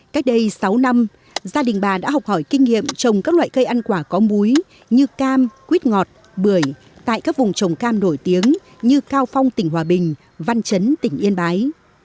cách đây sáu năm gia đình bà đã học hỏi kinh nghiệm trồng các loại cây ăn quả có múi như cam quýt ngọt bưởi tại các vùng trồng cam nổi tiếng như cao phong tỉnh hòa bình văn chấn tỉnh yên bái